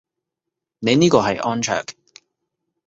你呢個係安卓